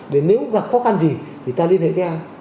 để nếu gặp khó khăn gì thì ta liên hệ với nhau